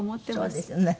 そうですよね。